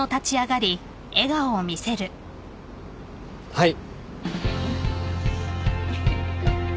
はい。